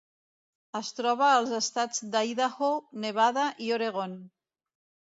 Es troba als estats d'Idaho, Nevada i Oregon.